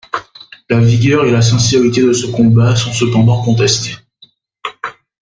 La vigueur et la sincérité de ce combat sont cependant contestés.